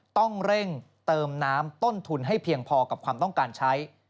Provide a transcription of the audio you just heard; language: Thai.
ต้องเร่งเติมน้ำต้นทุนให้เพียงพอกับความต้องการใช้